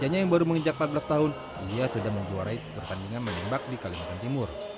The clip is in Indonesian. usianya yang baru menginjak empat belas tahun ia sudah menjuarai pertandingan menembak di kalimantan timur